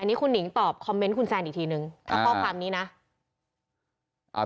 อันนี้คุณหนิงตอบคอมเมนต์คุณแซนอีกทีนึงถ้าข้อความนี้นะ